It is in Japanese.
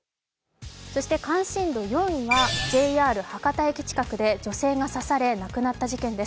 関心度４位はＪＲ博多駅近くで女性が刺され亡くなった事件です。